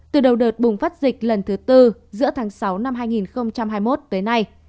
từ đầu đợt bùng phát dịch lần thứ tư giữa tháng sáu năm hai nghìn hai mươi một tới nay